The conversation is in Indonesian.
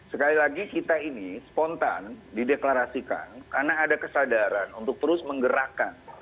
sekali lagi kita ini spontan dideklarasikan karena ada kesadaran untuk terus menggerakkan